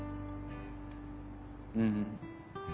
うん。